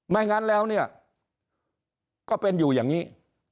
ไม่งั้นแล้วเนี่ยก็เป็นอยู่อย่างนี้